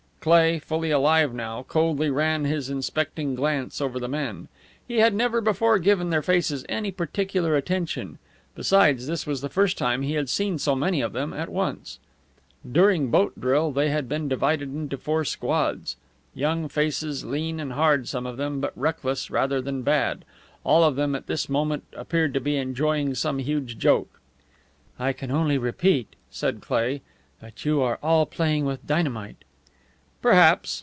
Cleigh, fully alive now, coldly ran his inspecting glance over the men. He had never before given their faces any particular attention. Besides, this was the first time he had seen so many of them at once. During boat drill they had been divided into four squads. Young faces, lean and hard some of them, but reckless rather than bad. All of them at this moment appeared to be enjoying some huge joke. "I can only repeat," said Cleigh, "that you are all playing with dynamite." "Perhaps.